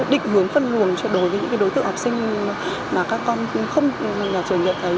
và có định hướng phân nguồn cho đối với những đối tượng học sinh mà các con không nhận thấy